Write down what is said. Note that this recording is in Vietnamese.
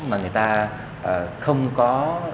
mà người ta không có